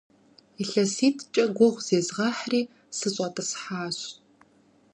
ИлъэситӀкӀэ гугъу зезгъэхьри, сыщӀэтӀысхьащ.